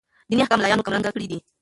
ديني احكام ملايانو کم رنګه کړي دي.